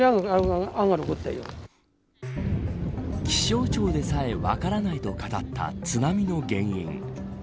気象庁でさえ分からないと語った津波の原因。